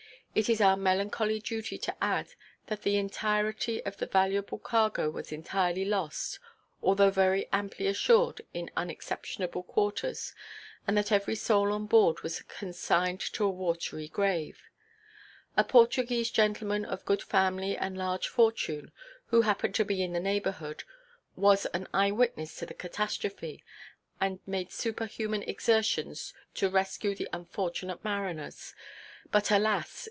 It is our melancholy duty to add that the entirety of the valuable cargo was entirely lost, although very amply assured in unexceptionable quarters, and that every soul on board was consigned to a watery grave. A Portuguese gentleman of good family and large fortune, who happened to be in the neighbourhood, was an eye–witness to the catastrophe, and made superhuman exertions to rescue the unfortunate mariners, but, alas!